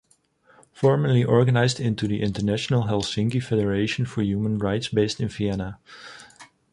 Formerly organized into the International Helsinki Federation for Human Rights based in Vienna.